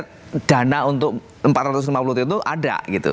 karena dana untuk empat ratus lima puluh triliun itu ada gitu